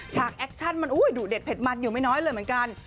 แอคชั่นมันดุเด็ดเผ็ดมันอยู่ไม่น้อยเลยเหมือนกัน